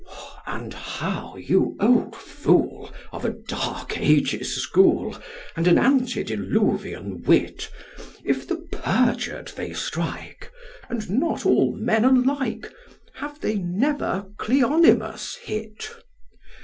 And how, you old fool, of a dark ages school, and an antidiluvian wit, If the perjured they strike, and not all men alike, have they never Cleonymus hit?